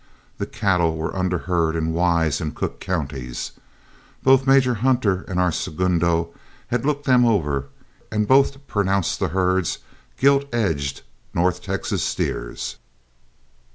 The cattle were under herd in Wise and Cook counties, both Major Hunter and our segundo had looked them over, and both pronounced the herds gilt edged north Texas steers.